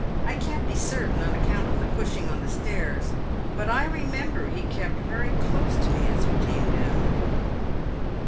I can't be certain, on account of the pushing on the stairs, but I remember he kept very close to me as we came down."